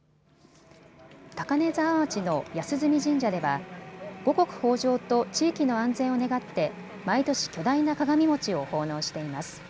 高根沢町の安住神社では五穀豊じょうと地域の安全を願って毎年、巨大な鏡餅を奉納しています。